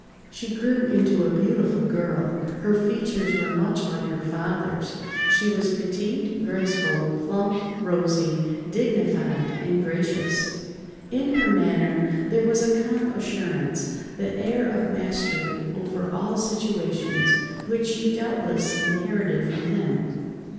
She grew into a beautiful girl. Her features were much like her father's. She was petite, graceful, plump, rosy, dignified, and gracious. In her manner, there was a calm assurance—the air of mastery over all situations—which she doubtless inherited from him.